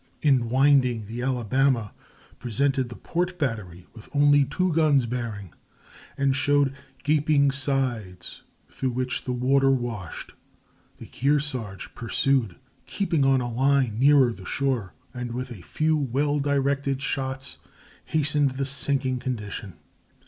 In winding the Alabama presented the port battery with only two guns bearing, and showed gaping sides through which the water washed. The Kearsarge pursued, keeping on a line nearer the shore, and with a few well directed shots hastened the sinking condition.